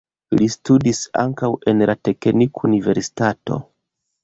Li studis ankaŭ en la teknikuniversitato.